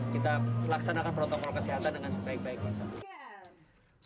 kita laksanakan protokol kesehatan dengan sebaik baiknya